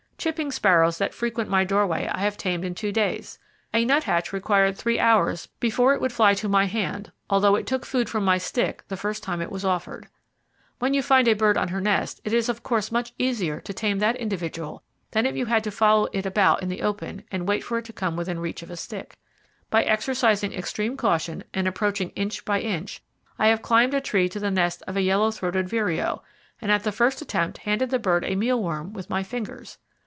"Chipping sparrows that frequent my doorway I have tamed in two days. A nuthatch required three hours before it would fly to my hand, although it took food from my stick the first time it was offered. When you find a bird on her nest, it is of course much easier to tame that individual than if you had to follow it about in the open, and wait for it to come within reach of a stick. By exercising extreme caution, and approaching inch by inch, I have climbed a tree to the nest of a yellow throated vireo, and at the first attempt handed the bird a meal worm with my fingers.